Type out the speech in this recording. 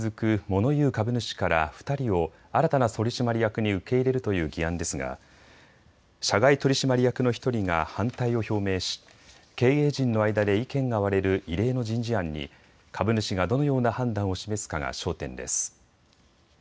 モノ言う株主から２人を新たな取締役に受け入れるという議案ですが社外取締役の１人が反対を表明し経営陣の間で意見が割れる異例の人事案に株主がどのような判断を示すかが焦点です。